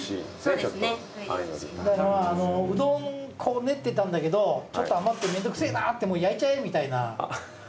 だからうどん粉を練ってたんだけどちょっと余ってめんどくせぇな焼いちゃえみたいな。